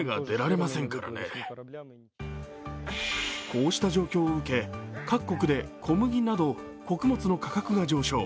こうした状況を受け各国で小麦など穀物の価格が上昇。